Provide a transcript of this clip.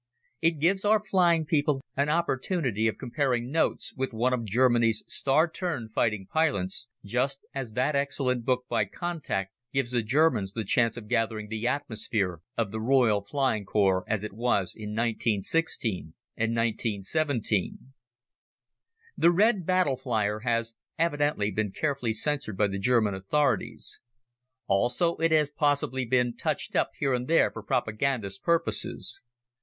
It gives our flying people an opportunity of comparing notes with one of Germany's star turn fighting pilots, just as that excellent book by "Contact" gives the Germans the chance of gathering the atmosphere of the Royal Flying Corps as it was in 1916 and 1917. "The Red Battle Flyer" has evidently been carefully censored by the German authorities. Also it has possibly been touched up here and there for propagandist purposes.